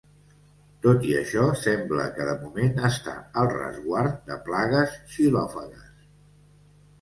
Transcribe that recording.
Tot i això, sembla que, de moment, està al resguard de plagues xilòfagues.